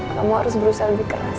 kamu harus berusaha lebih keras